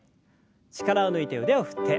力を抜いて腕を振って。